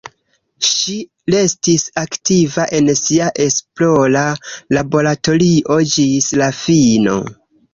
Ŝi restis aktiva en sia esplora laboratorio ĝis la fino.